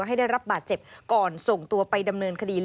ให้ได้รับบาดเจ็บก่อนส่งตัวไปดำเนินคดี